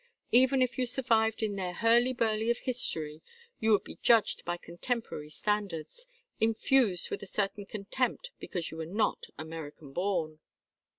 Even if you survived in their hurly burly of history, you would be judged by contemporary standards infused with a certain contempt because you were not American born."